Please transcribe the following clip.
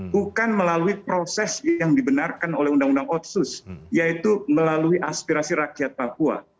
bukan melalui proses yang dibenarkan oleh undang undang otsus yaitu melalui aspirasi rakyat papua